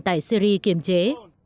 tại syria kiềm chế